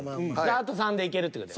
あと３でいけるって事や。